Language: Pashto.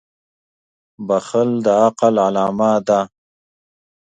• بښل د عقل علامه ده.